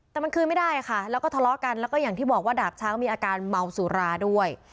แต่มันคืนไม่ได้ค่ะแล้วก็ทะเลาะกันแล้วก็อย่างที่บอกว่าดาบช้างมีอาการเมาสุราด้วย